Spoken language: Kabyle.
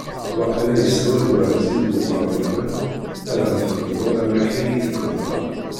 Waqila yessawal uɛeẓẓi deg uqerru-inem ad am-teḍru am akka i iyi-teḍra.